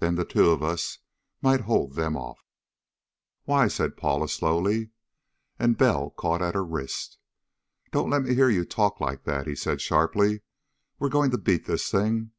Then the two of us might hold them off." "Why?" Paula said slowly. And Bell caught at her wrist. "Don't let me hear you talk like that!" he said sharply. "We're going to beat this thing!